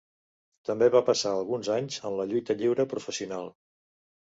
També va passar alguns anys en la lluita lliure professional.